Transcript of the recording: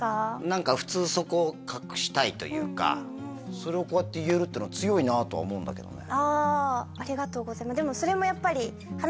何か普通そこ隠したいというかそれをこうやって言えるっていうのは強いなとは思うんだけどね